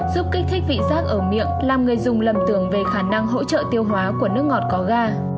giúp kích thích vị rác ở miệng làm người dùng lầm tưởng về khả năng hỗ trợ tiêu hóa của nước ngọt có ga